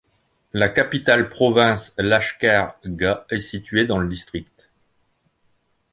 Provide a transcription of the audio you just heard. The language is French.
La capitale province Lashkar Gah est située dans le district.